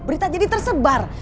berita jadi tersebar